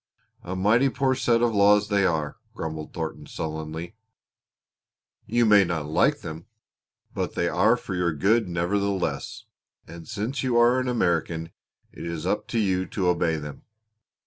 "A mighty poor set of laws they are," grumbled Thornton sullenly. "You may not like them, but they are for your good nevertheless, and since you are an American it is up to you to obey them.